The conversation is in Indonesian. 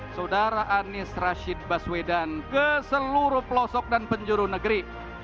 saudara anies rashid baswedan ke seluruh pelosok dan penjuru negeri